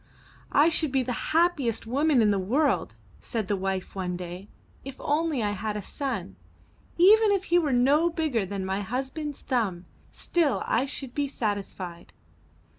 'T should be the happiest woman in the world," said the wife one day, ''if only I had a son. Even if he were no bigger than my husband's thumb, still I should be satisfied.''